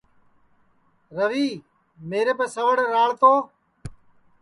روی میریپ سوڑ راݪ تو